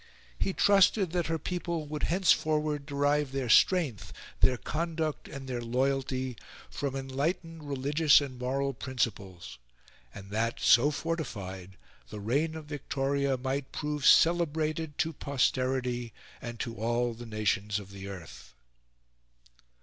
He trusted that her people would henceforward derive their strength, their conduct, and their loyalty from enlightened religious and moral principles, and that, so fortified, the reign of Victoria might prove celebrated to posterity and to all the nations of the earth.